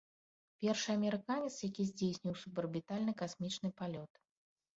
Першы амерыканец, які здзейсніў субарбітальны касмічны палёт.